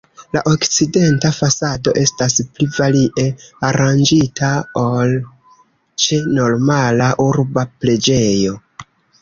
La okcidenta fasado estas pli varie aranĝita ol ĉe normala urba preĝejo.